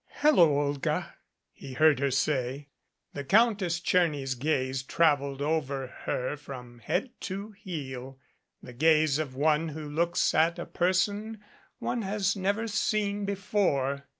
"Hello, Olga," he heard her say. The Countess Tcherny's gaze traveled over her from head to heel, the gaze of one who looks at a person one has never seen before.